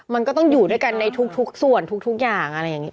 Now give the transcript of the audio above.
มันก็ต้องอยู่ด้วยกันในทุกส่วนทุกอย่างอะไรอย่างนี้